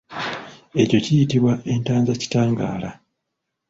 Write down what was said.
Ekyo kiyitibwa entazakitangaala.